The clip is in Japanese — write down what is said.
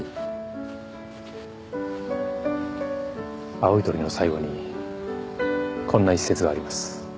『青い鳥』の最後にこんな一節があります。